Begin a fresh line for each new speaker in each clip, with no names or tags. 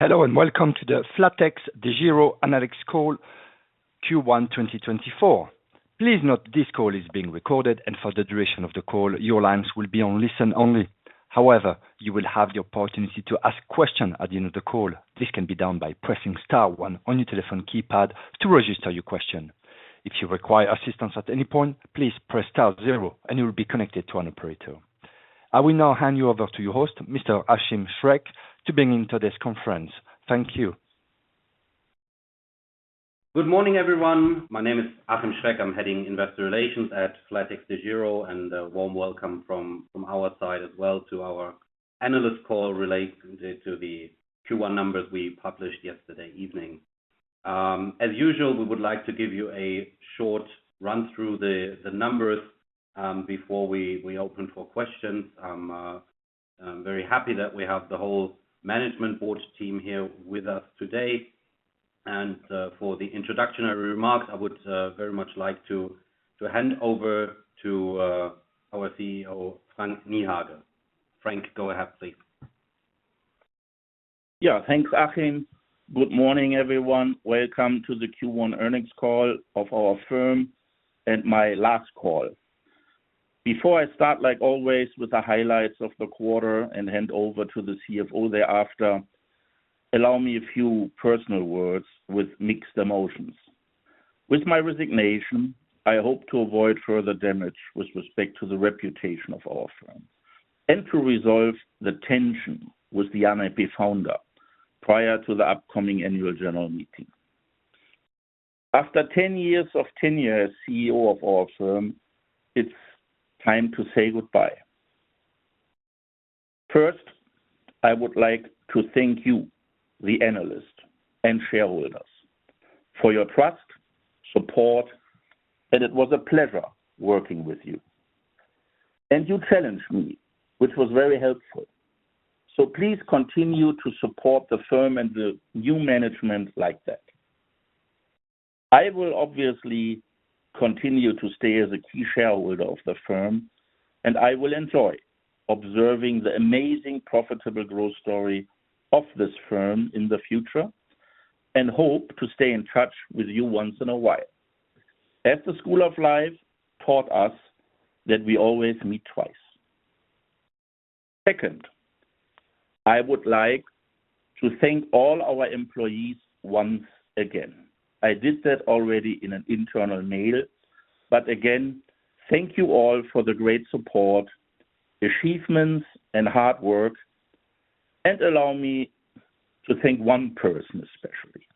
Hello, and welcome to the flatexDEGIRO Analy Call Q1 2024. Please note this call is being recorded, and for the duration of the call, your lines will be on listen-only. However, you will have the opportunity to ask questions at the end of the call. This can be done by pressing star one on your telephone keypad to register your question. If you require assistance at any point, please press star zero and you will be connected to an operator. I will now hand you over to your host, Mr. Achim Schreck, to bring in today's conference. Thank you.
Good morning, everyone. My name is Achim Schreck. I'm heading Investor Relations at flatexDEGIRO, and a warm welcome from our side as well to our analyst call related to the Q1 numbers we published yesterday evening. As usual, we would like to give you a short run through the numbers before we open for questions. I'm very happy that we have the whole management board team here with us today, and for the introductory remarks, I would very much like to hand over to our CEO, Frank Niehage. Frank, go ahead, please.
Yeah. Thanks, Achim. Good morning, everyone. Welcome to the Q1 earnings call of our firm, and my last call. Before I start, like always, with the highlights of the quarter and hand over to the CFO thereafter, allow me a few personal words with mixed emotions. With my resignation, I hope to avoid further damage with respect to the reputation of our firm and to resolve the tension with the founder prior to the upcoming annual general meeting. After 10 years of tenure as CEO of our firm, it's time to say goodbye. First, I would like to thank you, the analysts and shareholders, for your trust, support, and it was a pleasure working with you. And you challenged me, which was very helpful. So please continue to support the firm and the new management like that. I will obviously continue to stay as a key shareholder of the firm, and I will enjoy observing the amazing, profitable growth story of this firm in the future, and hope to stay in touch with you once in a while, as the school of life taught us that we always meet twice. Second, I would like to thank all our employees once again. I did that already in an internal mail, but again, thank you all for the great support, achievements, and hard work, and allow me to thank one person, especially.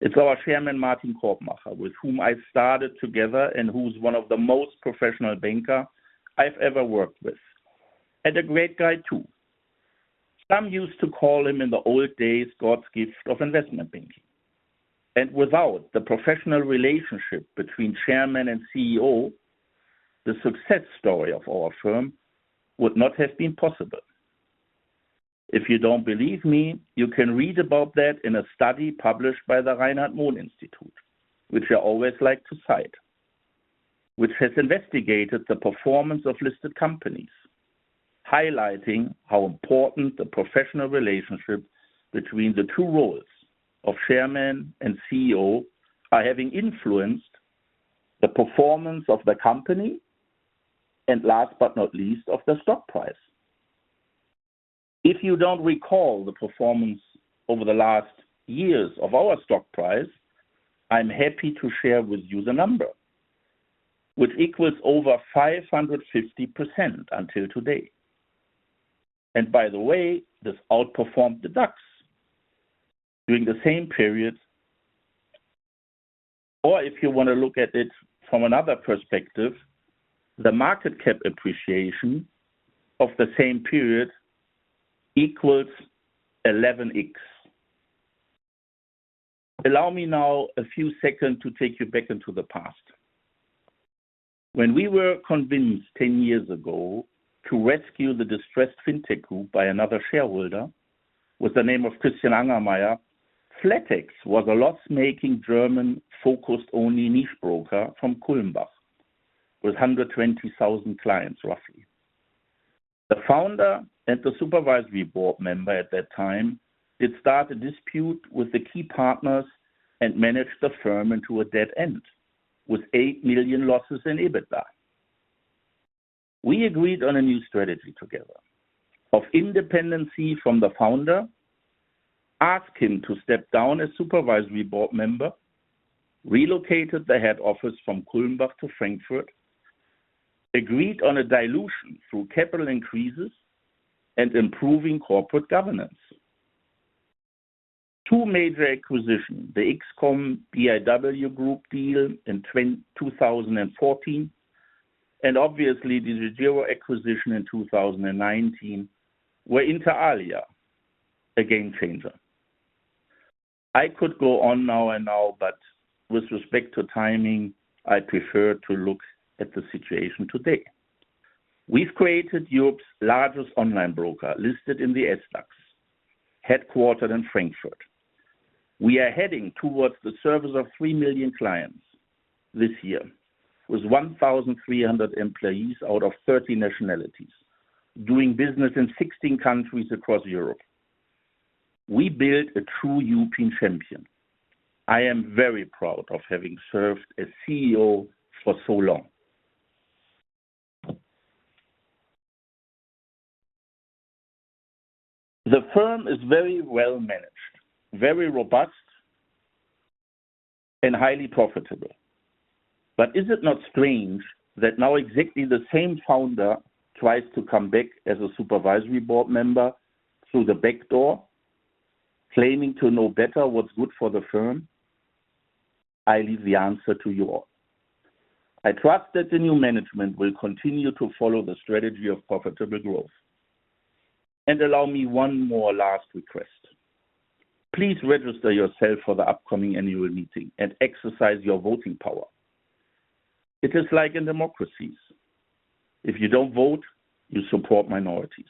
It's our Chairman, Martin Korbmacher, with whom I started together and who's one of the most professional banker I've ever worked with, and a great guy, too. Some used to call him, in the old days, God's gift of investment banking. Without the professional relationship between chairman and CEO, the success story of our firm would not have been possible. If you don't believe me, you can read about that in a study published by the Reinhard Mohn Institute, which I always like to cite, which has investigated the performance of listed companies, highlighting how important the professional relationship between the two roles of chairman and CEO are having influenced the performance of the company, and last but not least, of the stock price. If you don't recall the performance over the last years of our stock price, I'm happy to share with you the number, which equals over 550% until today. And by the way, this outperformed the DAX during the same period. Or if you want to look at it from another perspective, the market cap appreciation of the same period equals 11x. Allow me now a few seconds to take you back into the past. When we were convinced 10 years ago to rescue the distressed Fintech Group by another shareholder, with the name of Christian Angermayer, flatex was a loss-making German-focused only niche broker from Kulmbach, with 120,000 clients, roughly. The founder and the supervisory board member at that time, did start a dispute with the key partners and managed the firm into a dead end, with 8 million losses in EBITDA. We agreed on a new strategy together of independency from the founder, asked him to step down as supervisory board member, relocated the head office from Kulmbach to Frankfurt, agreed on a dilution through capital increases, and improving corporate governance. Two major acquisitions, the XCOM BIW Group deal in 2014, and obviously the DEGIRO acquisition in 2019, were inter alia, a game changer. I could go on now and now, but with respect to timing, I prefer to look at the situation today. We've created Europe's largest online broker, listed in the SDAX, headquartered in Frankfurt. We are heading towards the service of 3 million clients this year, with 1,300 employees out of 30 nationalities, doing business in 16 countries across Europe. We built a true European champion. I am very proud of having served as CEO for so long. The firm is very well managed, very robust, and highly profitable. But is it not strange that now exactly the same founder tries to come back as a supervisory board member through the back door, claiming to know better what's good for the firm? I leave the answer to you all. I trust that the new management will continue to follow the strategy of profitable growth. And allow me one more last request. Please register yourself for the upcoming annual meeting and exercise your voting power. It is like in democracies, if you don't vote, you support minorities.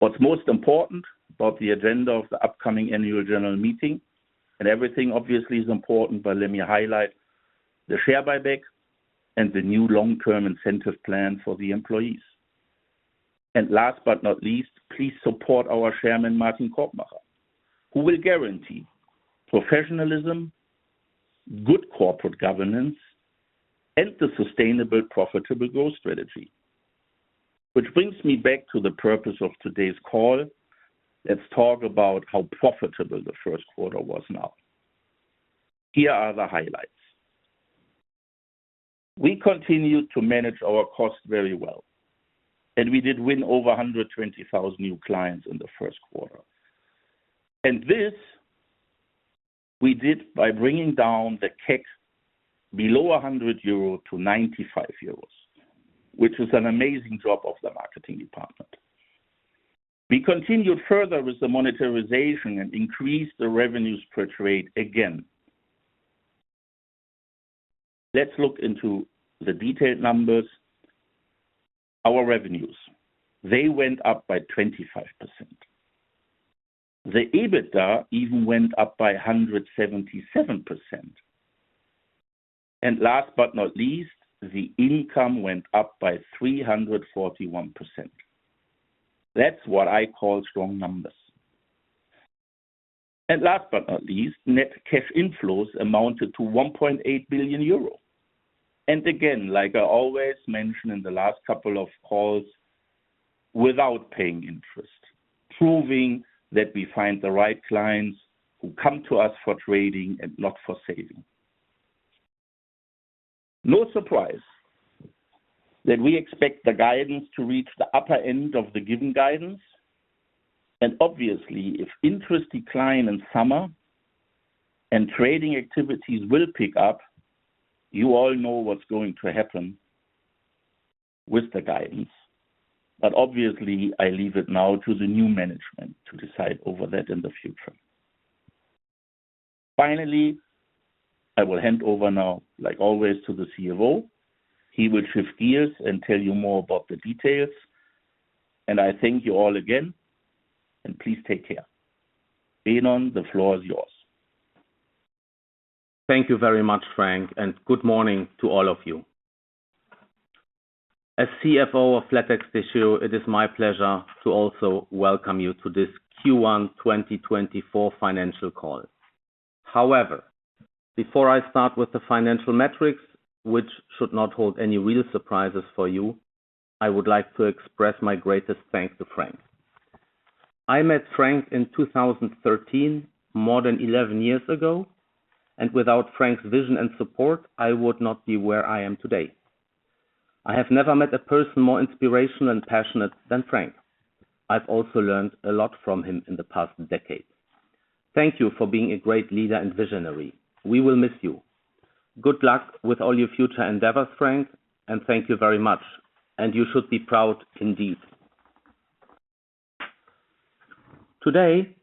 What's most important about the agenda of the upcoming annual general meeting, and everything obviously is important, but let me highlight the share buyback and the new long-term incentive plan for the employees. And last but not least, please support our Chairman, Martin Korbmacher, who will guarantee professionalism, good corporate governance, and the sustainable, profitable growth strategy. Which brings me back to the purpose of today's call. Let's talk about how profitable the first quarter was now. Here are the highlights. We continued to manage our costs very well, and we did win over 120,000 new clients in the first quarter. And this we did by bringing down the CAC below 100 euro to 95 euros, which is an amazing job of the marketing department. We continued further with the monetization and increased the revenues per trade again. Let's look into the detailed numbers. Our revenues, they went up by 25%. The EBITDA even went up by 177%. And last but not least, the income went up by 341%. That's what I call strong numbers. And last but not least, net cash inflows amounted to 1.8 billion euro. And again, like I always mention in the last couple of calls, without paying interest, proving that we find the right clients who come to us for trading and not for saving. No surprise that we expect the guidance to reach the upper end of the given guidance. And obviously, if interest decline in summer and trading activities will pick up, you all know what's going to happen with the guidance. But obviously, I leave it now to the new management to decide over that in the future. Finally, I will hand over now, like always, to the CFO. He will shift gears and tell you more about the details. And I thank you all again, and please take care. Benon, the floor is yours.
Thank you very much, Frank, and good morning to all of you. As CFO of flatexDEGIRO, it is my pleasure to also welcome you to this Q1 2024 financial call. However, before I start with the financial metrics, which should not hold any real surprises for you, I would like to express my greatest thanks to Frank. I met Frank in 2013, more than eleven years ago, and without Frank's vision and support, I would not be where I am today. I have never met a person more inspirational and passionate than Frank. I've also learned a lot from him in the past decade. Thank you for being a great leader and visionary. We will miss you. Good luck with all your future endeavors, Frank, and thank you very much, and you should be proud indeed. Today,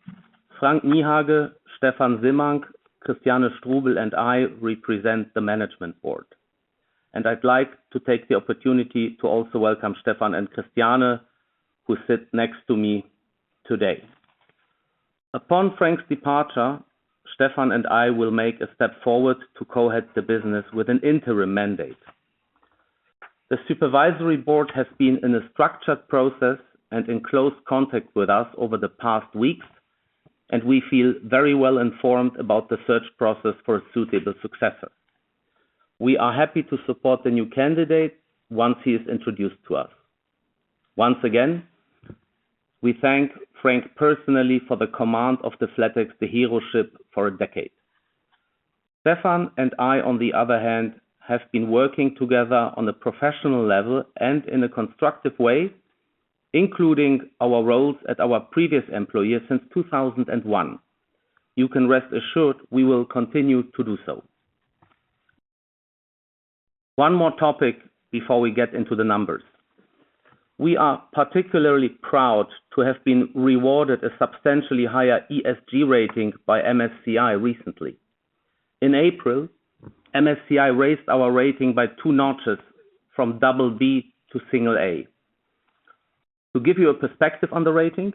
Frank Niehage, Stefan Simmank, Christiane Strubel, and I represent the management board, and I'd like to take the opportunity to also welcome Stefan and Christiane, who sit next to me today. Upon Frank's departure, Stefan and I will make a step forward to co-head the business with an interim mandate. The supervisory board has been in a structured process and in close contact with us over the past weeks, and we feel very well informed about the search process for a suitable successor. We are happy to support the new candidate once he is introduced to us. Once again, we thank Frank personally for the command of the flatexDEGIRO ship for a decade. Stefan and I, on the other hand, have been working together on a professional level and in a constructive way, including our roles at our previous employer since 2001. You can rest assured we will continue to do so. One more topic before we get into the numbers. We are particularly proud to have been rewarded a substantially higher ESG rating by MSCI recently. In April, MSCI raised our rating by 2 notches, from double B to single A.... To give you a perspective on the ratings,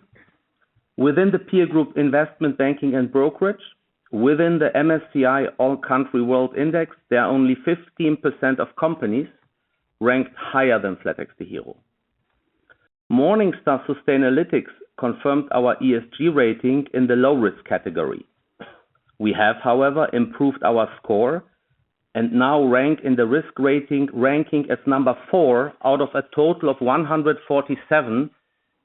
within the peer group investment banking and brokerage, within the MSCI All Country World Index, there are only 15% of companies ranked higher than flatexDEGIRO. Morningstar Sustainalytics confirmed our ESG rating in the low-risk category. We have, however, improved our score and now rank in the risk rating, ranking as number 4 out of a total of 147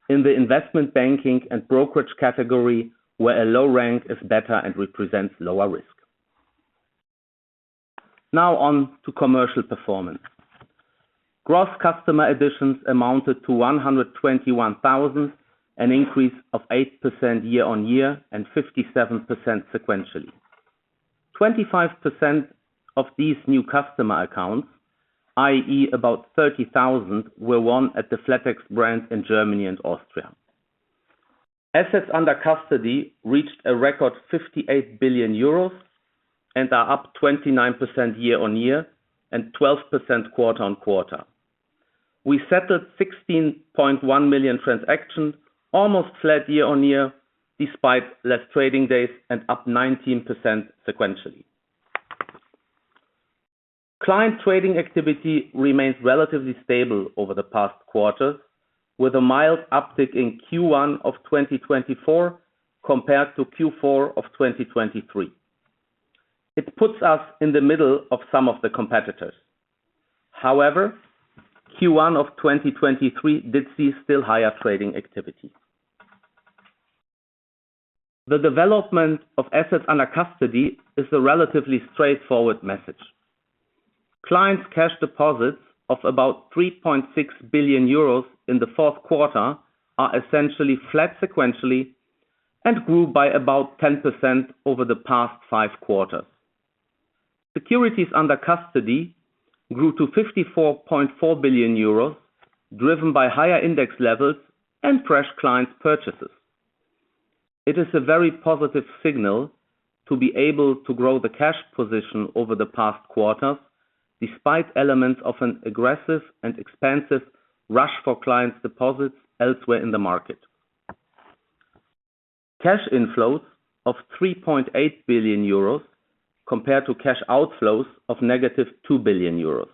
in the investment banking and brokerage category, where a low rank is better and represents lower risk. Now on to commercial performance. Gross customer additions amounted to 121,000, an increase of 8% year-on-year, and 57% sequentially. 25% of these new customer accounts, i.e., about 30,000, were won at the flatex brand in Germany and Austria. Assets under custody reached a record 58 billion euros, and are up 29% year-on-year, and 12% quarter-on-quarter. We settled 16.1 million transactions, almost flat year-on-year, despite less trading days and up 19% sequentially. Client trading activity remains relatively stable over the past quarters, with a mild uptick in Q1 of 2024 compared to Q4 of 2023. It puts us in the middle of some of the competitors. However, Q1 of 2023 did see still higher trading activity. The development of assets under custody is a relatively straightforward message. Clients' cash deposits of about 3.6 billion euros in the fourth quarter are essentially flat sequentially, and grew by about 10% over the past five quarters. Securities under custody grew to 54.4 billion euros, driven by higher index levels and fresh client purchases. It is a very positive signal to be able to grow the cash position over the past quarters, despite elements of an aggressive and expensive rush for clients' deposits elsewhere in the market. Cash inflows of 3.8 billion euros compared to cash outflows of -2 billion euros,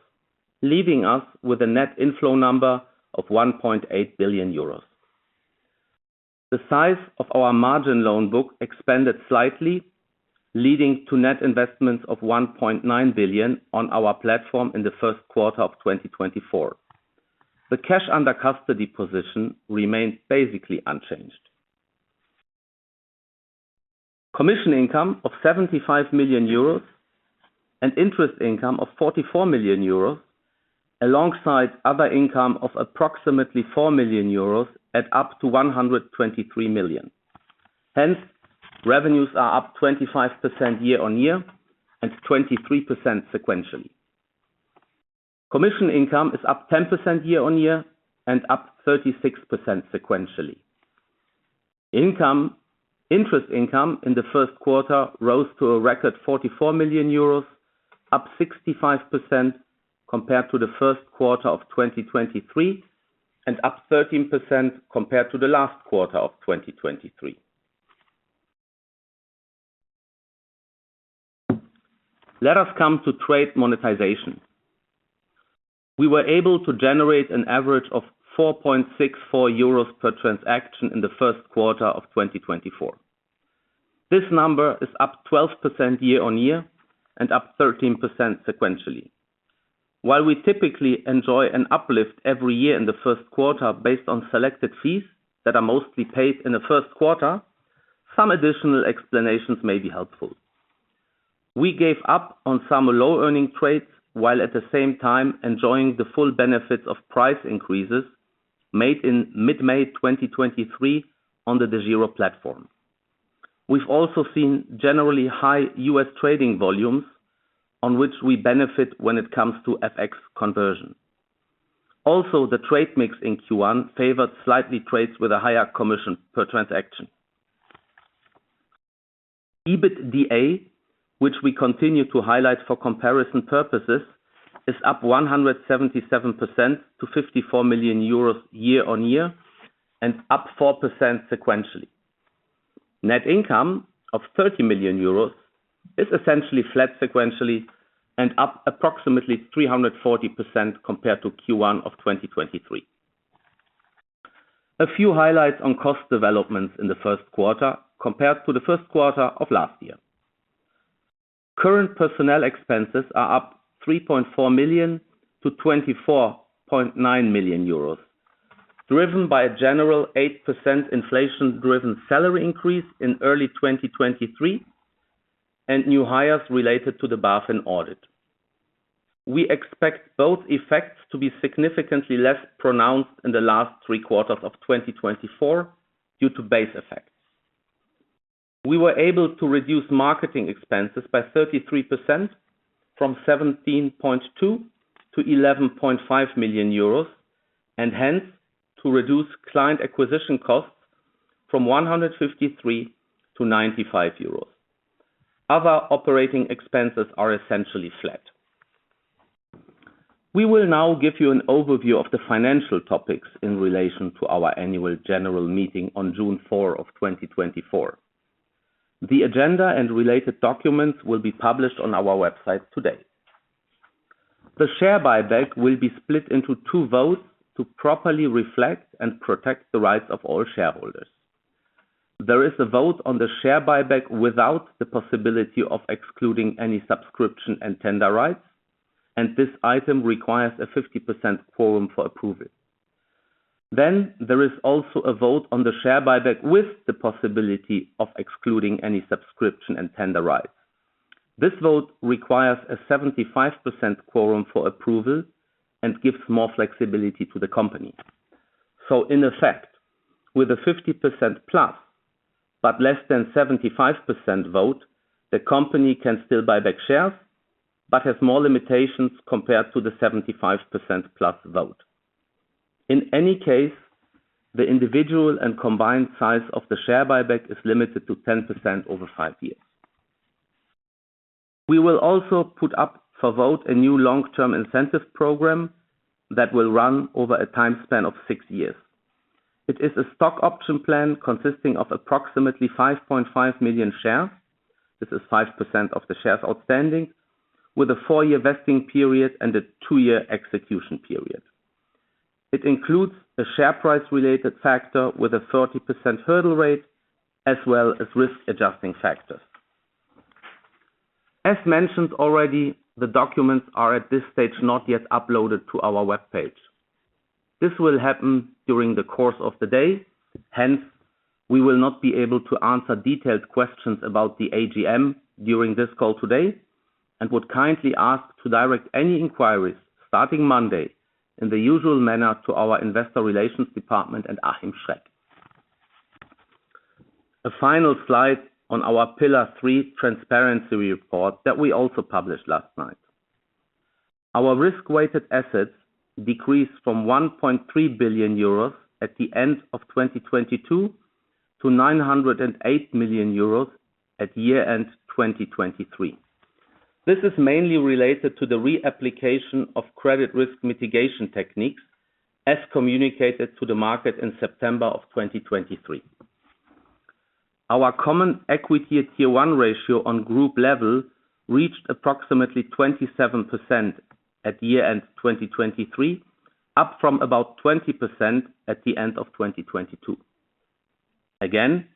leaving us with a net inflow number of 1.8 billion euros. The size of our margin loan book expanded slightly, leading to net investments of 1.9 billion on our platform in the first quarter of 2024. The cash under custody position remains basically unchanged. Commission income of 75 million euros and interest income of 44 million euros, alongside other income of approximately 4 million euros adding up to 123 million. Hence, revenues are up 25% year-on-year and 23% sequentially. Commission income is up 10% year-on-year and up 36% sequentially. Interest income in the first quarter rose to a record 44 million euros, up 65% compared to the first quarter of 2023, and up 13% compared to the last quarter of 2023. Let us come to trade monetization. We were able to generate an average of 4.64 euros per transaction in the first quarter of 2024. This number is up 12% year-on-year and up 13% sequentially. While we typically enjoy an uplift every year in the first quarter based on selected fees that are mostly paid in the first quarter, some additional explanations may be helpful. We gave up on some low-earning trades, while at the same time enjoying the full benefits of price increases made in mid-May 2023 on the DEGIRO platform. We've also seen generally high U.S. trading volumes on which we benefit when it comes to FX conversion. Also, the trade mix in Q1 favored slightly trades with a higher commission per transaction. EBITDA, which we continue to highlight for comparison purposes, is up 177% to 54 million euros year-on-year, and up 4% sequentially. Net income of 30 million euros is essentially flat sequentially and up approximately 340% compared to Q1 of 2023. A few highlights on cost developments in the first quarter compared to the first quarter of last year. Current personnel expenses are up 3.4 million to 24.9 million euros, driven by a general 8% inflation-driven salary increase in early 2023, and new hires related to the BaFin audit. We expect both effects to be significantly less pronounced in the last three quarters of 2024 due to base effects. We were able to reduce marketing expenses by 33% from 17.2 million to 11.5 million euros, and hence to reduce client acquisition costs from 153 to 95 euros. Other operating expenses are essentially flat. We will now give you an overview of the financial topics in relation to our annual general meeting on June 4, 2024. The agenda and related documents will be published on our website today. The share buyback will be split into 2 votes to properly reflect and protect the rights of all shareholders. There is a vote on the share buyback without the possibility of excluding any subscription and tender rights, and this item requires a 50% quorum for approval. Then there is also a vote on the share buyback with the possibility of excluding any subscription and tender rights. This vote requires a 75% quorum for approval and gives more flexibility to the company. So in effect, with a 50% plus, but less than 75% vote, the company can still buy back shares, but has more limitations compared to the 75% plus vote. In any case, the individual and combined size of the share buyback is limited to 10% over 5 years. We will also put up for vote a new long-term incentive program that will run over a time span of 6 years. It is a stock option plan consisting of approximately 5.5 million shares. This is 5% of the shares outstanding, with a 4-year vesting period and a 2-year execution period. It includes a share price-related factor with a 30% hurdle rate, as well as risk-adjusting factors. As mentioned already, the documents are at this stage, not yet uploaded to our webpage. This will happen during the course of the day, hence, we will not be able to answer detailed questions about the AGM during this call today, and would kindly ask to direct any inquiries starting Monday in the usual manner to our investor relations department and Achim Schreck. A final slide on our pillar three transparency report that we also published last night. Our risk-weighted assets decreased from 1.3 billion euros at the end of 2022 to 908 million euros at year end, 2023. This is mainly related to the reapplication of credit risk mitigation techniques, as communicated to the market in September of 2023. Our common equity tier one ratio on group level reached approximately 27% at year end, 2023, up from about 20% at the end of 2022. Again,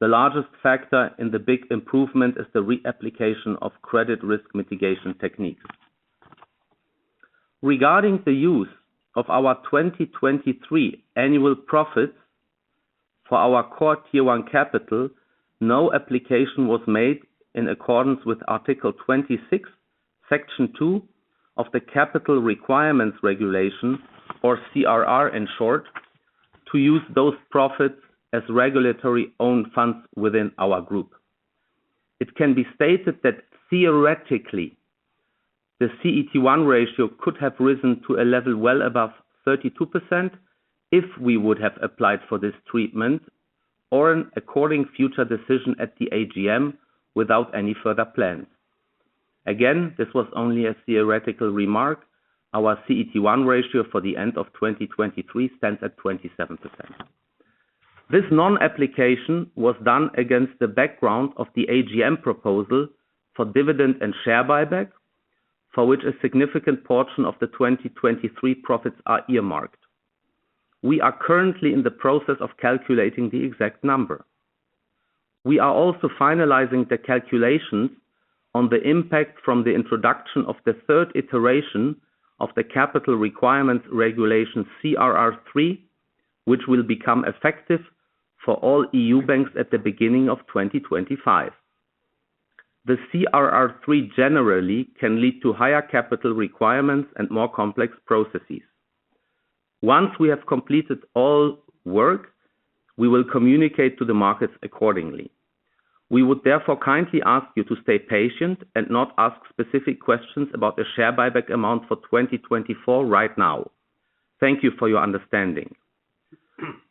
the largest factor in the big improvement is the reapplication of credit risk mitigation techniques. Regarding the use of our 2023 annual profits for our core tier one capital, no application was made in accordance with Article 26, Section 2 of the Capital Requirements Regulation, or CRR, in short, to use those profits as regulatory own funds within our group. It can be stated that theoretically, the CET1 ratio could have risen to a level well above 32% if we would have applied for this treatment or an according future decision at the AGM without any further plans. Again, this was only a theoretical remark. Our CET1 ratio for the end of 2023 stands at 27%. This non-application was done against the background of the AGM proposal for dividend and share buyback, for which a significant portion of the 2023 profits are earmarked. We are currently in the process of calculating the exact number. We are also finalizing the calculations on the impact from the introduction of the third iteration of the capital requirements regulation, CRR3, which will become effective for all EU banks at the beginning of 2025. The CRR3 generally can lead to higher capital requirements and more complex processes. Once we have completed all work, we will communicate to the markets accordingly. We would therefore kindly ask you to stay patient and not ask specific questions about the share buyback amount for 2024 right now. Thank you for your understanding.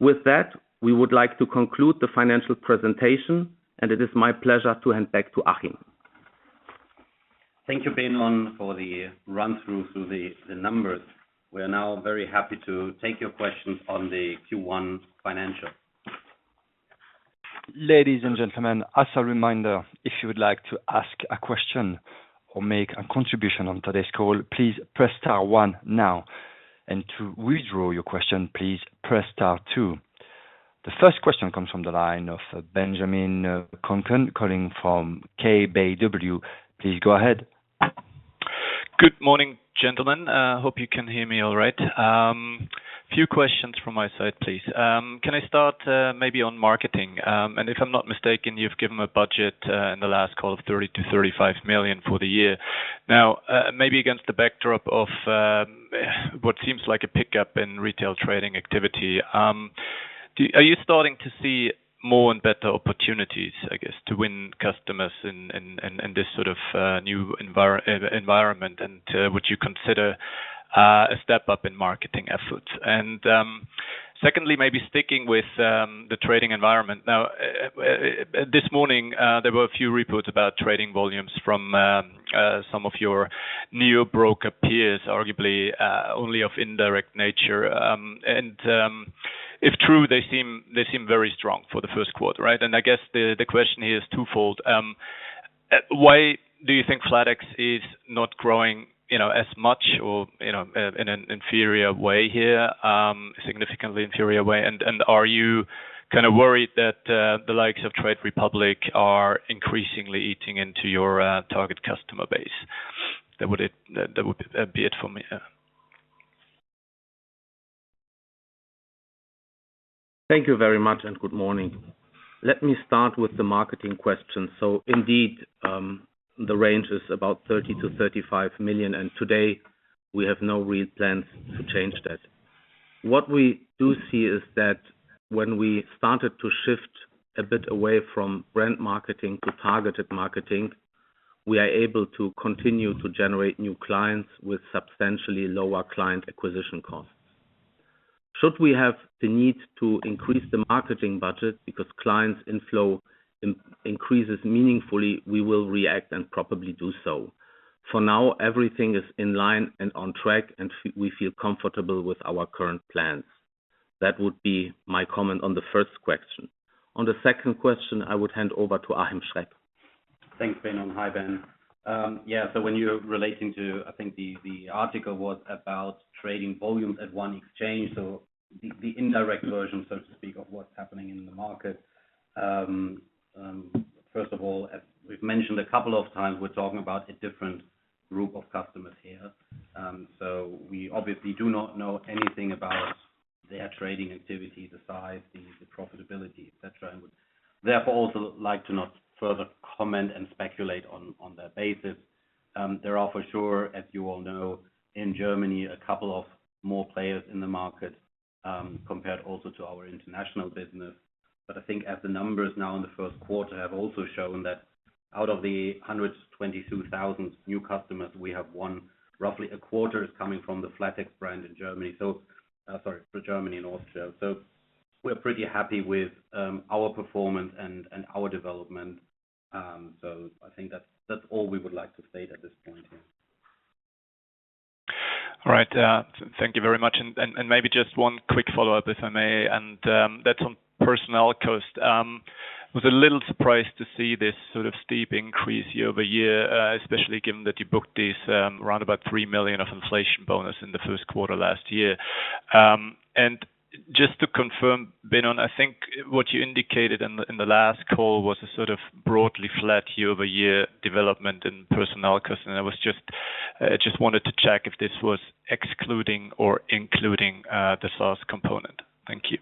With that, we would like to conclude the financial presentation, and it is my pleasure to hand back to Achim.
Thank you, Benon, for the run-through of the numbers. We are now very happy to take your questions on the Q1 financials.
Ladies and gentlemen, as a reminder, if you would like to ask a question or make a contribution on today's call, please press star one now, and to withdraw your question, please press star two. The first question comes from the line of Benjamin Conklin, calling from KBW. Please go ahead.
Good morning, gentlemen. Hope you can hear me all right. Few questions from my side, please. Can I start, maybe on marketing? And if I'm not mistaken, you've given a budget, in the last call of 30-35 million for the year. Now, maybe against the backdrop of, what seems like a pickup in retail trading activity, are you starting to see more and better opportunities, I guess, to win customers in this sort of new environment? And, would you consider, a step up in marketing efforts? And, secondly, maybe sticking with, the trading environment. Now, this morning, there were a few reports about trading volumes from, some of your new broker peers, arguably, only of indirect nature. If true, they seem very strong for the first quarter, right? I guess the question here is twofold. Why do you think flatex is not growing, you know, as much or, you know, in an inferior way here, significantly inferior way? Are you kind of worried that the likes of Trade Republic are increasingly eating into your target customer base? That would be it for me, yeah.
Thank you very much, and good morning. Let me start with the marketing question. So indeed, the range is about 30 million-35 million, and today we have no real plans to change that. What we do see is that when we started to shift a bit away from brand marketing to targeted marketing, we are able to continue to generate new clients with substantially lower client acquisition costs. Should we have the need to increase the marketing budget because clients' inflow increases meaningfully, we will react and probably do so. For now, everything is in line and on track, and we feel comfortable with our current plans. That would be my comment on the first question. On the second question, I would hand over to Achim Schreck.
Thanks, Ben, and hi, Ben. Yeah, so when you're relating to... I think the, the article was about trading volumes at one exchange, so the, the indirect version, so to speak, of what's happening in the market. First of all, as we've mentioned a couple of times, we're talking about a different group of customers here. So we obviously do not know anything about their trading activity, the size, the, the profitability, et cetera, and would therefore also like to not further comment and speculate on, on that basis. There are for sure, as you all know, in Germany, a couple of more players in the market, compared also to our international business. But I think as the numbers now in the first quarter have also shown that out of the 122,000 new customers we have won, roughly a quarter is coming from the flatex brand in Germany, so, sorry, for Germany and Austria. So we're pretty happy with our performance and our development. So I think that's all we would like to state at this point in time.
All right, thank you very much. And, and, and maybe just one quick follow-up, if I may, and, that's on personnel cost. Was a little surprised to see this sort of steep increase year-over-year, especially given that you booked this, round about 3 million of inflation bonus in the first quarter last year. And just to confirm, Ben, I think what you indicated in, in the last call was a sort of broadly flat year-over-year development in personnel cost. And I was just, just wanted to check if this was excluding or including, the sales component. Thank you.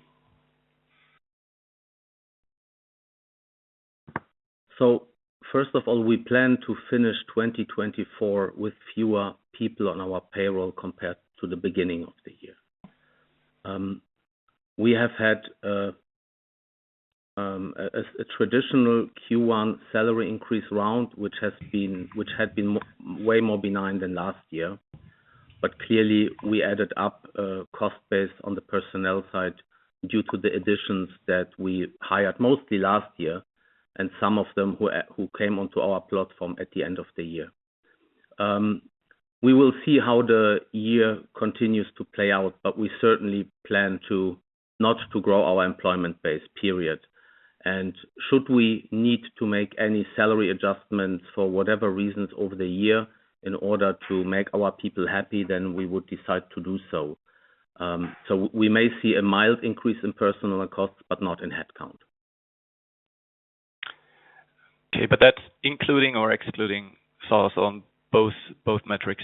So first of all, we plan to finish 2024 with fewer people on our payroll compared to the beginning of the year. We have had a traditional Q1 salary increase round, which has been way more benign than last year. But clearly, we added up cost base on the personnel side due to the additions that we hired mostly last year, and some of them who came onto our platform at the end of the year. We will see how the year continues to play out, but we certainly plan not to grow our employment base, period. And should we need to make any salary adjustments for whatever reasons over the year in order to make our people happy, then we would decide to do so. So we may see a mild increase in personal costs, but not in headcount.
Okay, but that's including or excluding sales on both, both metrics?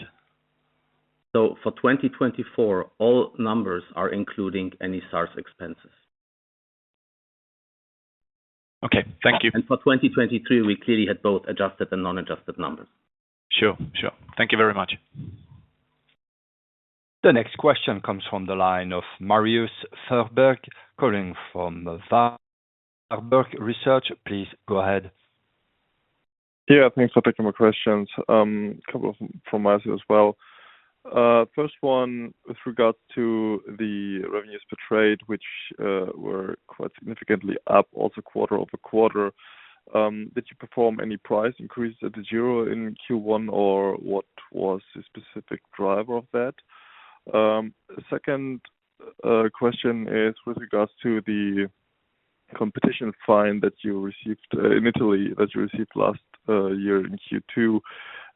For 2024, all numbers are including any SARS expenses.
Okay, thank you.
For 2023, we clearly had both adjusted and non-adjusted numbers.
Sure. Sure. Thank you very much.
The next question comes from the line of Marius Fuhrberg, calling from Warburg Research. Please go ahead.
Yeah, thanks for taking my questions. A couple of them from my side as well. First one, with regard to the revenues per trade, which were quite significantly up, also quarter-over-quarter, did you perform any price increases at DEGIRO in Q1, or what was the specific driver of that? Second, question is with regards to the competition fine that you received in Italy, that you received last year in Q2.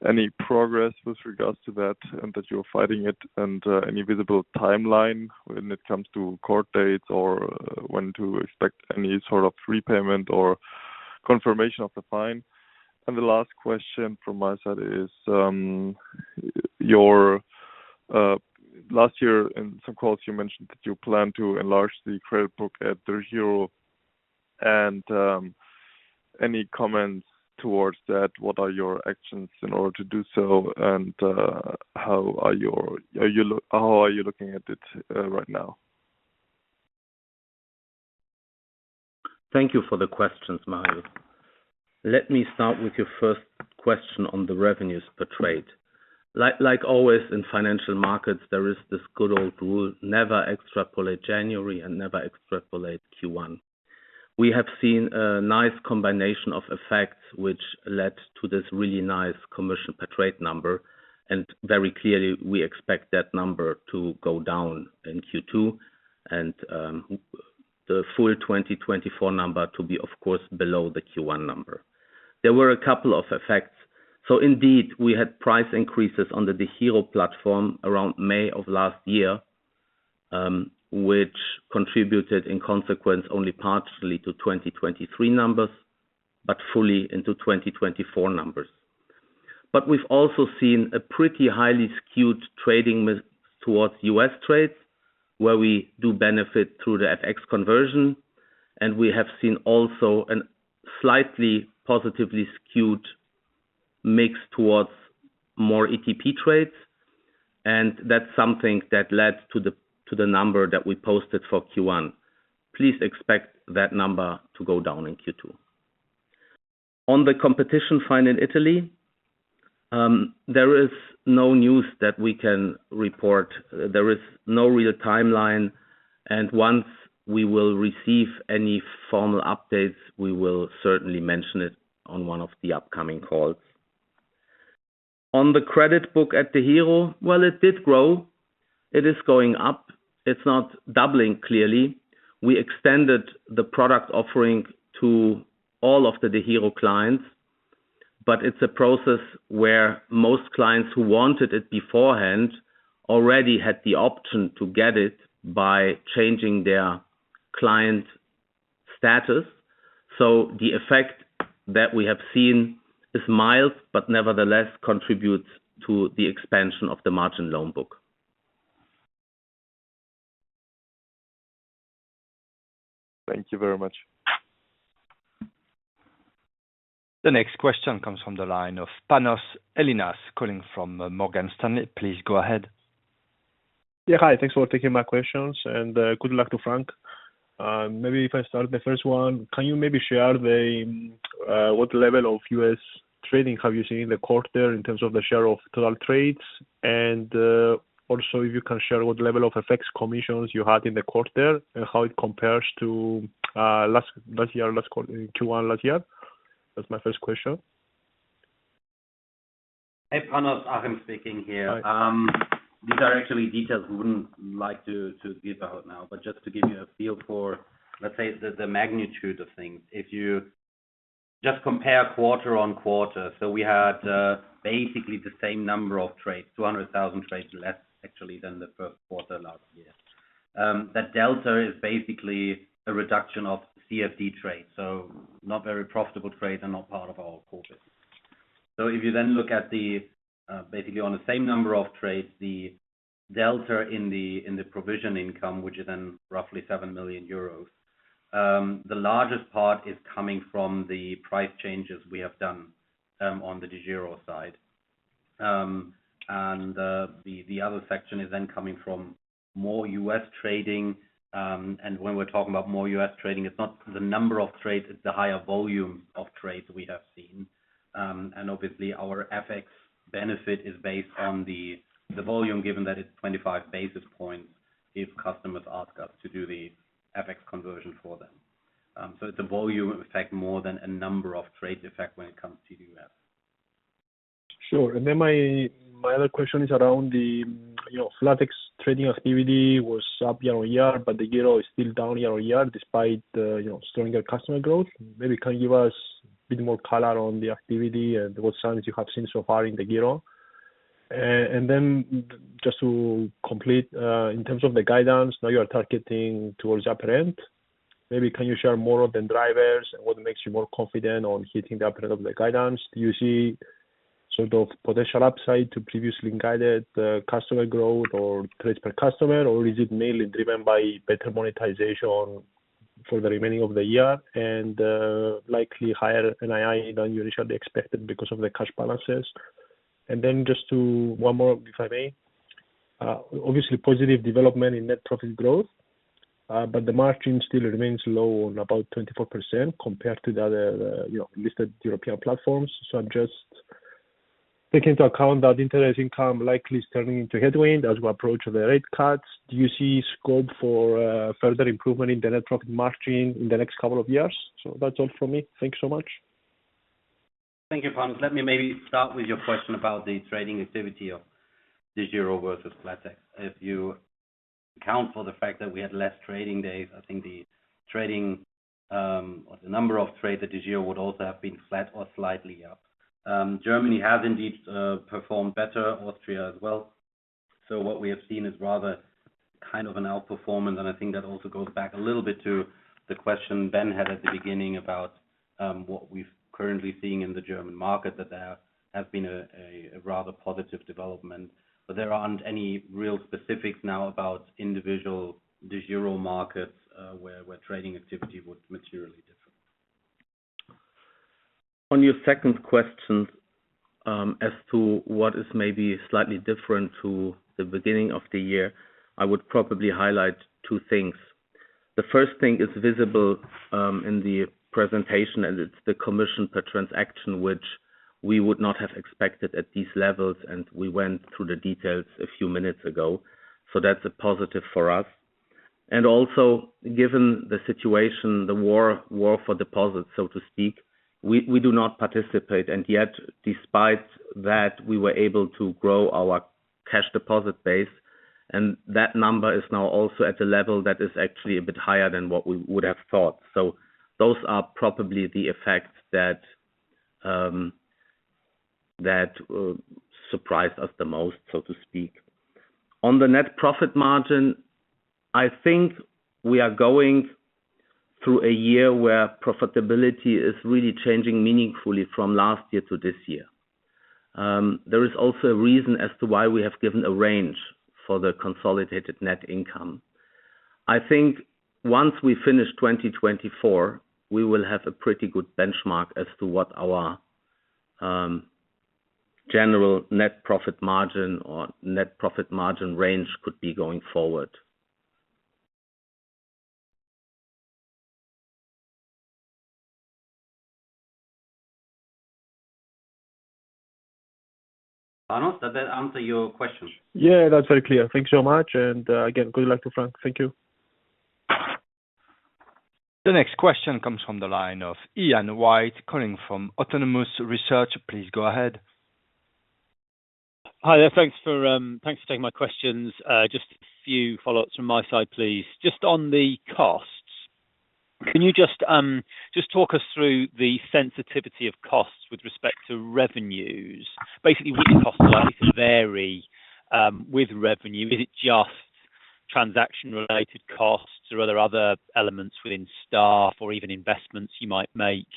Any progress with regards to that, and that you're fighting it, and any visible timeline when it comes to court dates or when to expect any sort of repayment or confirmation of the fine? And the last question from my side is, yourLast year in some calls, you mentioned that you plan to enlarge the credit book at the Zero, and any comments towards that? What are your actions in order to do so, and how are you looking at it right now?
Thank you for the questions, Mario. Let me start with your first question on the revenues per trade. Like always, in financial markets, there is this good old rule, never extrapolate January and never extrapolate Q1. We have seen a nice combination of effects, which led to this really nice commercial per trade number, and very clearly, we expect that number to go down in Q2, and the full 2024 number to be, of course, below the Q1 number. There were a couple of effects. So indeed, we had price increases on the DEGIRO platform around May of last year, which contributed, in consequence, only partially to 2023 numbers, but fully into 2024 numbers. But we've also seen a pretty highly skewed trading mix towards US trades, where we do benefit through the FX conversion, and we have seen also a slightly positively skewed mix towards more ETP trades. And that's something that led to the number that we posted for Q1. Please expect that number to go down in Q2. On the competition fine in Italy, there is no news that we can report. There is no real timeline, and once we will receive any formal updates, we will certainly mention it on one of the upcoming calls. On the credit book at DEGIRO, well, it did grow. It is going up. It's not doubling, clearly. We extended the product offering to all of the DEGIRO clients, but it's a process where most clients who wanted it beforehand already had the option to get it by changing their client status. The effect that we have seen is mild, but nevertheless contributes to the expansion of the Margin Loan book.
Thank you very much.
The next question comes from the line of Panos Ellinas, calling from Morgan Stanley. Please go ahead.
Yeah, hi. Thanks for taking my questions, and good luck to Frank. Maybe if I start the first one, can you maybe share what level of U.S. trading have you seen in the quarter in terms of the share of total trades? And also, if you can share what level of FX commissions you had in the quarter, and how it compares to last year last quarter, Q1 last year. That's my first question.
Hey, Panos, Achim speaking here. Hi. These are actually details we wouldn't like to give out now, but just to give you a feel for, let's say, the magnitude of things. If you just compare quarter-over-quarter, so we had basically the same number of trades, 200,000 trades less actually than the first quarter last year. That delta is basically a reduction of CFD trades, so not very profitable trades and not part of our core business. So if you then look at basically on the same number of trades, the delta in the provision income, which is then roughly 7 million euros, the largest part is coming from the price changes we have done on the DEGIRO side. And the other section is then coming from more US trading. When we're talking about more U.S. trading, it's not the number of trades, it's the higher volume of trades we have seen. Obviously, our FX benefit is based on the volume, given that it's 25 basis points, if customers ask us to do the FX conversion for them. It's a volume effect more than a number of trade effect when it comes to the U.S.
Sure. And then my other question is around the, you know, flatex trading activity was up year-on-year, but DEGIRO is still down year-on-year, despite, you know, stronger customer growth. Maybe can you give us a bit more color on the activity and what signs you have seen so far in DEGIRO? And then just to complete, in terms of the guidance, now you are targeting towards upper end. Maybe can you share more of the drivers and what makes you more confident on hitting the upper end of the guidance? Do you see sort of potential upside to previously guided, customer growth or trades per customer, or is it mainly driven by better monetization for the remaining of the year, and, likely higher NII than you initially expected because of the cash balances? And then just to one more, if I may. Obviously, positive development in net profit growth, but the margin still remains low on about 24% compared to the other, you know, listed European platforms. So just take into account that interest income likely is turning into headwind as we approach the rate cuts. Do you see scope for further improvement in the net profit margin in the next couple of years? So that's all from me. Thank you so much.
Thank you, Panos. Let me maybe start with your question about the trading activity of DEGIRO versus Flatex. If you account for the fact that we had less trading days, I think the trading, or the number of trades at DEGIRO would also have been flat or slightly up. Germany has indeed performed better, Austria as well. So what we have seen is rather kind of an outperformance, and I think that also goes back a little bit to the question Ben had at the beginning about what we've currently seeing in the German market, that there has been a rather positive development. But there aren't any real specifics now about individual DEGIRO markets, where trading activity would materially different. On your second question, as to what is maybe slightly different to the beginning of the year, I would probably highlight two things. The first thing is visible in the presentation, and it's the commission per transaction, which we would not have expected at these levels, and we went through the details a few minutes ago. So that's a positive for us. And also, given the situation, the war for deposits, so to speak, we do not participate, and yet despite that, we were able to grow our cash deposit base, and that number is now also at a level that is actually a bit higher than what we would have thought. So those are probably the effects that surprised us the most, so to speak. On the net profit margin, I think we are going through a year where profitability is really changing meaningfully from last year to this year. There is also a reason as to why we have given a range for the consolidated net income. I think once we finish 2024, we will have a pretty good benchmark as to what our, general net profit margin or net profit margin range could be going forward. Panos, does that answer your question?
Yeah, that's very clear. Thank you so much, and again, good luck to Frank. Thank you.
The next question comes from the line of Ian White, calling from Autonomous Research. Please go ahead.
Hi there. Thanks for taking my questions. Just a few follow-ups from my side, please. Just on the costs, can you just talk us through the sensitivity of costs with respect to revenues? Basically, would the costs likely to vary with revenue? Is it just transaction-related costs, or are there other elements within staff, or even investments you might make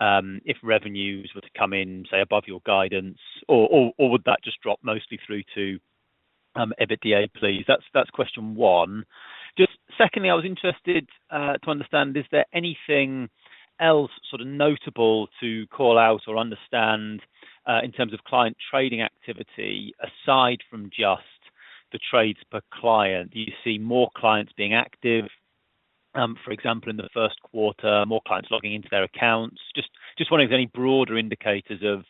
if revenues were to come in, say, above your guidance, or, or, or would that just drop mostly through to EBITDA, please? That's question one. Just secondly, I was interested to understand, is there anything else sort of notable to call out or understand in terms of client trading activity, aside from just the trades per client? Do you see more clients being active, for example, in the first quarter, more clients logging into their accounts? Just wondering if any broader indicators of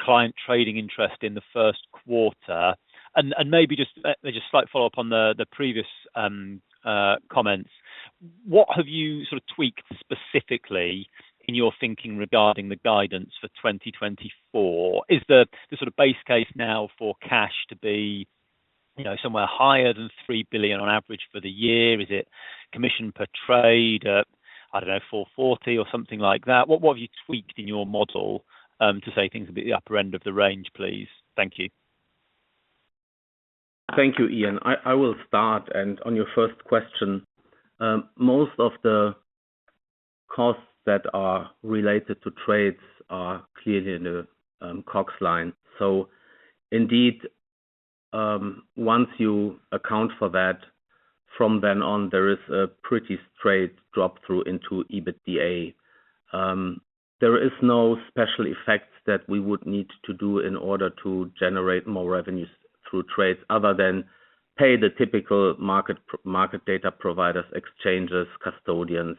client trading interest in the first quarter? And maybe just a slight follow-up on the previous comments. What have you sort of tweaked specifically in your thinking regarding the guidance for 2024? Is the sort of base case now for cash to be, you know, somewhere higher than 3 billion on average for the year? Is it commission per trade at, I don't know, 4.40 or something like that? What have you tweaked in your model to say things will be at the upper end of the range, please? Thank you.
Thank you, Ian. I will start on your first question. Most of the costs that are related to trades are clearly in the COGS line. So indeed, once you account for that, from then on, there is a pretty straight drop through into EBITDA. There is no special effects that we would need to do in order to generate more revenues through trades other than pay the typical market data providers, exchanges, custodians,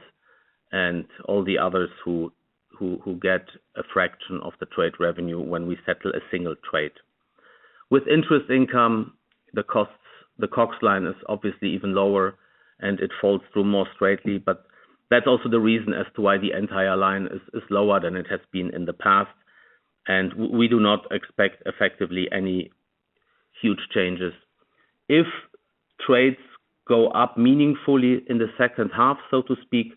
and all the others who get a fraction of the trade revenue when we settle a single trade. With interest income, the costs, the COGS line is obviously even lower, and it falls through more straightly, but that's also the reason as to why the entire line is lower than it has been in the past, and we do not expect effectively any huge changes. If trades go up meaningfully in the second half, so to speak,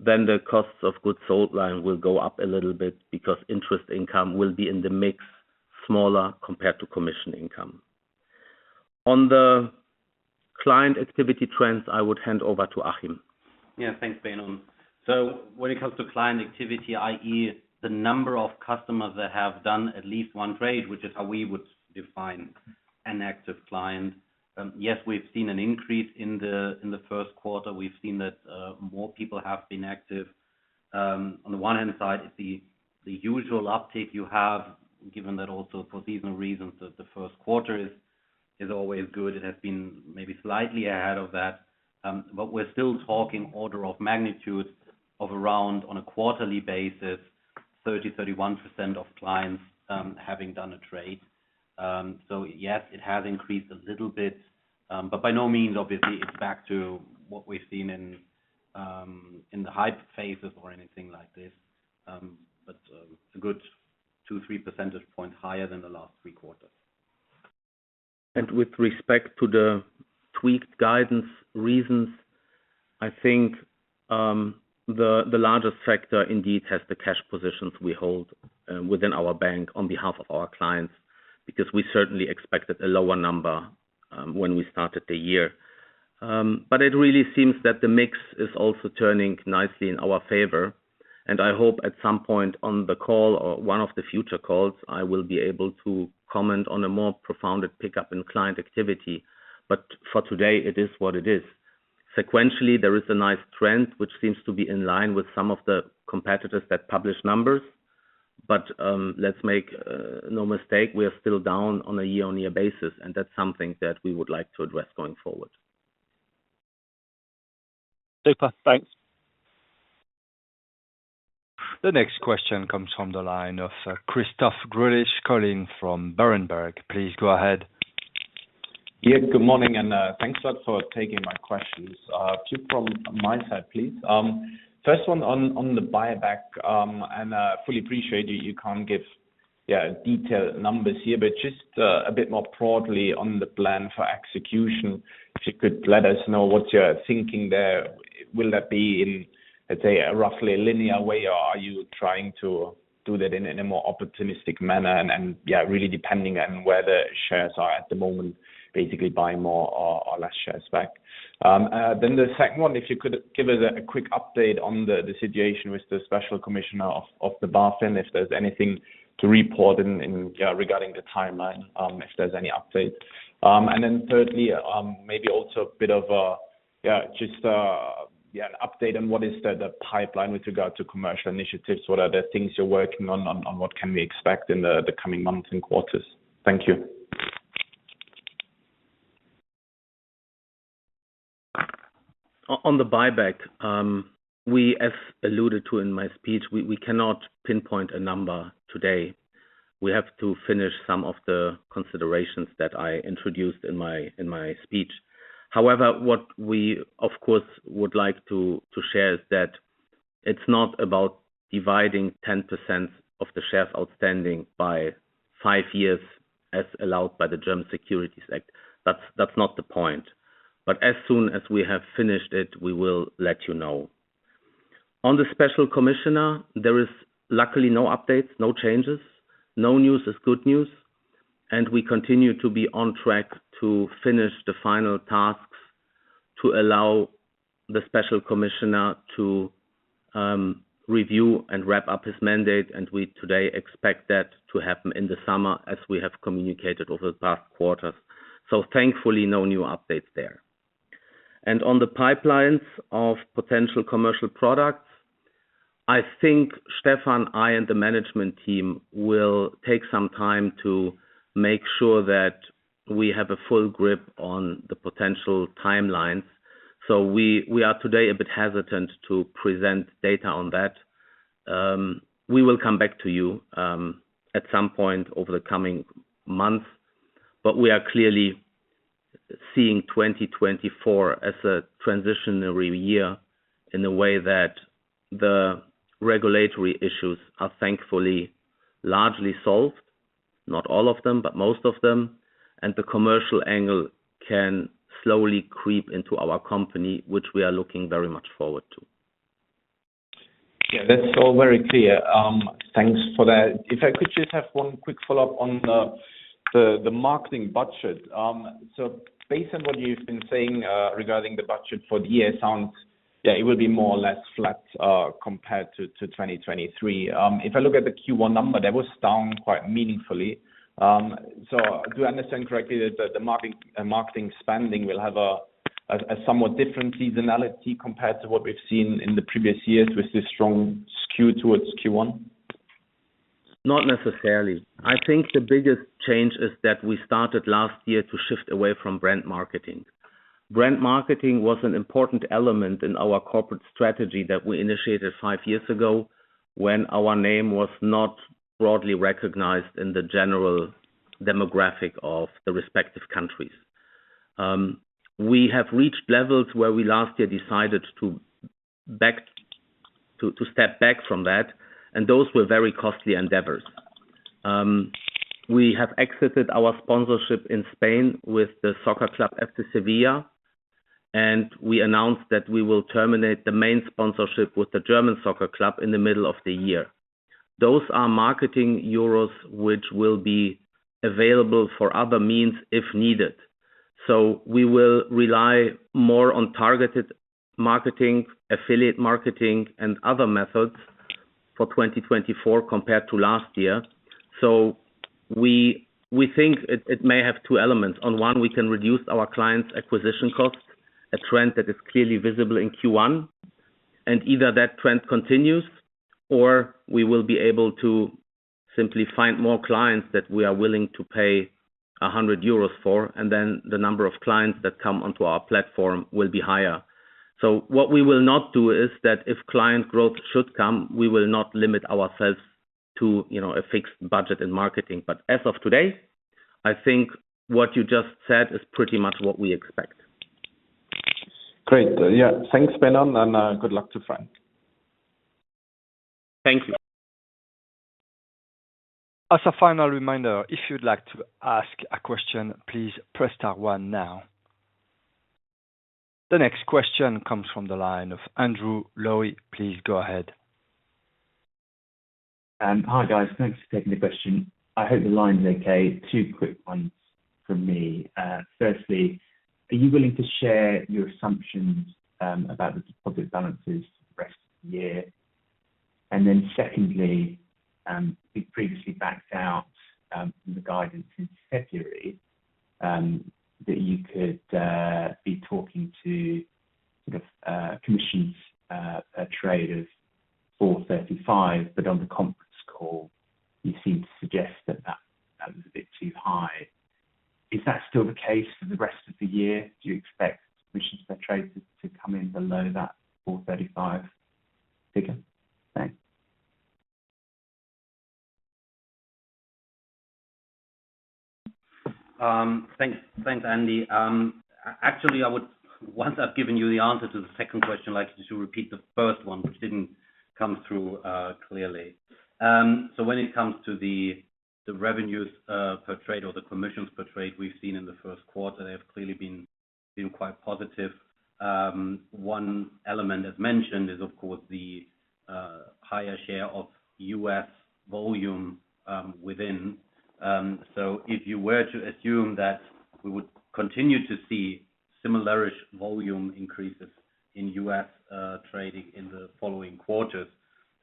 then the costs of goods sold line will go up a little bit because interest income will be in the mix, smaller compared to commission income. On the client activity trends, I would hand over to Achim.
Yeah, thanks, Benno. So when it comes to client activity, i.e., the number of customers that have done at least one trade, which is how we would define an active client, yes, we've seen an increase in the first quarter. We've seen that, more people have been active. On the one hand side, it's the usual uptick you have, given that also for seasonal reasons, that the first quarter is always good. It has been maybe slightly ahead of that, but we're still talking order of magnitude of around, on a quarterly basis, 30-31% of clients having done a trade. So yes, it has increased a little bit, but by no means, obviously, it's back to what we've seen in the hype phases or anything like this. A good 2-3 percentage points higher than the last three quarters.
And with respect to the tweaked guidance reasons, I think, the largest factor indeed has the cash positions we hold within our bank on behalf of our clients, because we certainly expected a lower number when we started the year. But it really seems that the mix is also turning nicely in our favor, and I hope at some point on the call or one of the future calls, I will be able to comment on a more profound pick up in client activity, but for today, it is what it is... Sequentially, there is a nice trend which seems to be in line with some of the competitors that publish numbers. But, let's make no mistake, we are still down on a year-on-year basis, and that's something that we would like to address going forward.
Super. Thanks.
The next question comes from the line of, Christoph Greulich, calling from Berenberg. Please go ahead.
Yeah, good morning, and thanks a lot for taking my questions. Two from my side, please. First one on the buyback. And fully appreciate you can't give yeah detailed numbers here, but just a bit more broadly on the plan for execution, if you could let us know what you're thinking there. Will that be in, let's say, a roughly linear way, or are you trying to do that in a more opportunistic manner? And yeah, really depending on where the shares are at the moment, basically buy more or less shares back. Then the second one, if you could give us a quick update on the situation with the special commissioner of the BaFin, if there's anything to report in regarding the timeline, if there's any update. And then thirdly, maybe also a bit of an update on what is the pipeline with regard to commercial initiatives. What are the things you're working on, what can we expect in the coming months and quarters? Thank you.
On the buyback, as alluded to in my speech, we cannot pinpoint a number today. We have to finish some of the considerations that I introduced in my speech. However, what we of course would like to share is that it's not about dividing 10% of the shares outstanding by five years, as allowed by the German Securities Act. That's not the point. But as soon as we have finished it, we will let you know. On the special commissioner, there is luckily no updates, no changes, no news is good news, and we continue to be on track to finish the final tasks to allow the special commissioner to review and wrap up his mandate. We today expect that to happen in the summer, as we have communicated over the past quarters. So thankfully, no new updates there. On the pipelines of potential commercial products, I think Stefan, I, and the management team will take some time to make sure that we have a full grip on the potential timelines. So we are today a bit hesitant to present data on that. We will come back to you at some point over the coming months, but we are clearly seeing 2024 as a transitionary year, in a way that the regulatory issues are thankfully largely solved. Not all of them, but most of them, and the commercial angle can slowly creep into our company, which we are looking very much forward to.
Yeah, that's all very clear. Thanks for that. If I could just have one quick follow-up on the marketing budget. So based on what you've been saying regarding the budget for the year, it sounds, yeah, it will be more or less flat compared to 2023. If I look at the Q1 number, that was down quite meaningfully. So do I understand correctly that the marketing spending will have a somewhat different seasonality compared to what we've seen in the previous years, with this strong skew towards Q1?
Not necessarily. I think the biggest change is that we started last year to shift away from brand marketing. Brand marketing was an important element in our corporate strategy that we initiated five years ago, when our name was not broadly recognized in the general demographic of the respective countries. We have reached levels where we last decided to step back from that, and those were very costly endeavors. We have exited our sponsorship in Spain with the soccer club, Sevilla FC, and we announced that we will terminate the main sponsorship with the German soccer club in the middle of the year. Those are marketing euros, which will be available for other means, if needed. So we will rely more on targeted marketing, affiliate marketing, and other methods for 2024 compared to last year. So we think it may have two elements. On one, we can reduce our clients' acquisition costs, a trend that is clearly visible in Q1. And either that trend continues, or we will be able to simply find more clients that we are willing to pay 100 euros for, and then the number of clients that come onto our platform will be higher. So what we will not do is that if client growth should come, we will not limit ourselves to, you know, a fixed budget in marketing. But as of today, I think what you just said is pretty much what we expect.
Great. Yeah. Thanks, Benno, and good luck to Frank.
Thank you.
As a final reminder, if you'd like to ask a question, please press star one now. The next question comes from the line of Andrew Lowe. Please go ahead.
Hi, guys. Thanks for taking the question. I hope the line is okay. Two quick ones from me. Firstly, are you willing to share your assumptions about the deposit balances for the rest of the year? And then secondly, you previously backed out the guidance in February that you could be talking to, sort of, commissions a trade of 435, but on the conference call, you seemed to suggest that that was a bit too high. Is that still the case for the rest of the year? Do you expect commissions per trade to come in below that 435 figure? Thanks.
Thanks, Andy. Actually, once I've given you the answer to the second question, I'd like you to repeat the first one, which didn't come through clearly. So when it comes to the revenues per trade or the commissions per trade we've seen in the first quarter, they have clearly been quite positive. One element, as mentioned, is, of course, the higher share of US volume within. So if you were to assume that we would continue to see similar-ish volume increases in US trading in the following quarters,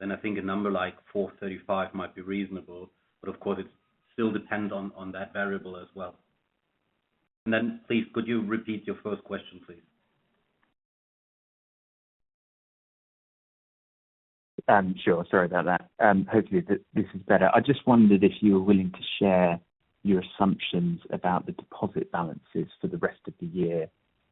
then I think a number like 435 might be reasonable. But of course, it still depend on that variable as well. Then please, could you repeat your first question, please?
Sure. Sorry about that. Hopefully this is better. I just wondered if you were willing to share your assumptions about the deposit balances for the rest of the year.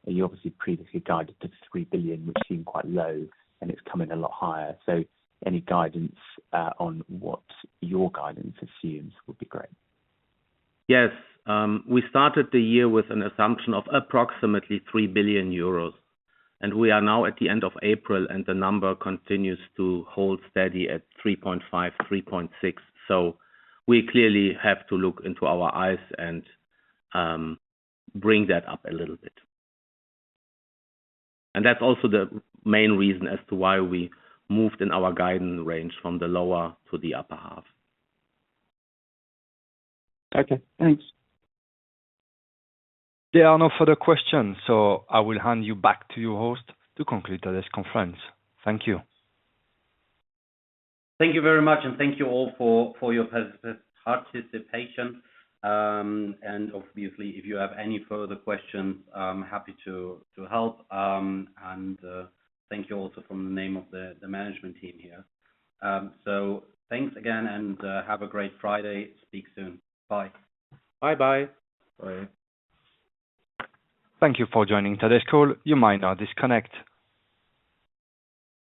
You obviously previously guided to 3 billion, which seemed quite low, and it's coming a lot higher. So any guidance on what your guidance assumes would be great.
Yes. We started the year with an assumption of approximately 3 billion euros, and we are now at the end of April, and the number continues to hold steady at 3.5 billion, 3.6 billion. So we clearly have to look into our eyes and bring that up a little bit. And that's also the main reason as to why we moved in our guidance range from the lower to the upper half.
Okay, thanks.
There are no further questions, so I will hand you back to your host to conclude today's conference. Thank you.
Thank you very much, and thank you all for your participation. And obviously, if you have any further questions, I'm happy to help, and thank you also from the name of the management team here. So thanks again, and have a great Friday. Speak soon. Bye.
Bye-bye.
Bye.
Thank you for joining today's call. You might now disconnect.